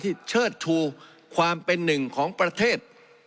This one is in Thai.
เชิดชูความเป็นหนึ่งของประเทศ